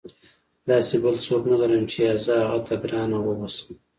داسې بل څوک نه لرم چې یا زه هغه ته ګرانه واوسم.